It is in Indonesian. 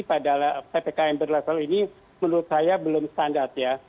pada ppkm berlevel ini menurut saya belum standar ya